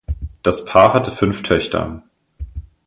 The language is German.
Das Paar hatte fünf Töchter.